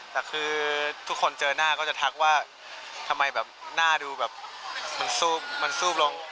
แต่คือทุกคนเจอหน้าก็จะทักว่าทำไมแบบหน้าดูแบบมันซูบลง